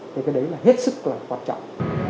thì cái đấy là hết sức là quan trọng